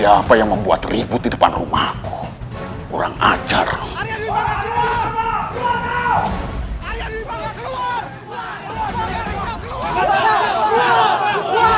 keluar rey keluar rey keluar rey keluar rey keluar rey keluar einat baw ke bawah